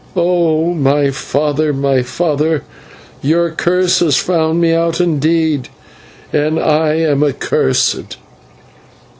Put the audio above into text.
Oh! my father, my father, your curse has found me out indeed, and I am accursed."